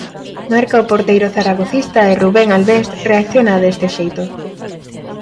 Marca o porteiro zaragocista e Rubén Albés reacciona deste xeito.